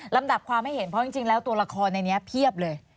ลำดับความให้เห็นเพราะจริงแล้วตัวละครในนี้เพียบเลย